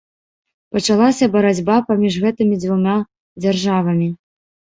Пачалася барацьба паміж гэтымі дзвюма дзяржавамі.